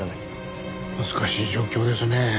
難しい状況ですね。